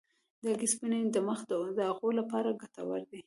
د هګۍ سپین د مخ د داغونو لپاره ګټور دی.